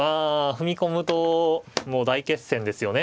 踏み込むともう大決戦ですよね。